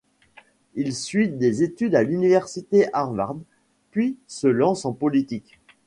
Il suit des études à l'Université Harvard puis se lance en politique.